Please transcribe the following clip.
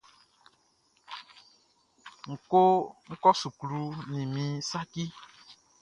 N kɔ suklu nin min saci.